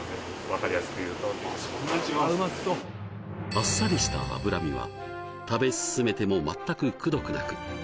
あっさりした脂身は食べ進めても全くくどくなく